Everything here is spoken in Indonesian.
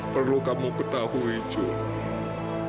perlu kamu ketahui jules